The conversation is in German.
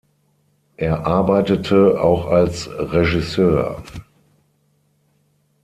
Er arbeitete auch als Regisseur.